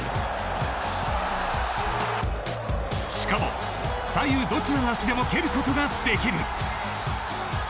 しかも左右どちらの足でも蹴ることができる。